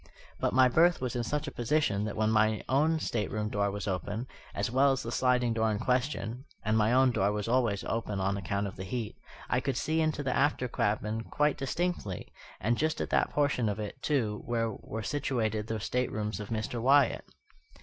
But my berth was in such a position that when my own stateroom door was open, as well as the sliding door in question (and my own door was always open on account of the heat), I could see into the after cabin quite distinctly, and just at that portion of it, too, where were situated the staterooms of Mr. Wyatt.